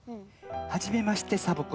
「はじめましてサボ子さん。